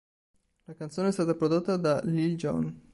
La canzone è stata prodotta da Lil' Jon.